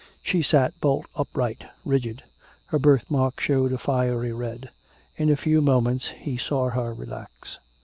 She sat bolt upright, rigid; her birthmark showed a fiery red. In a few moments he saw her relax.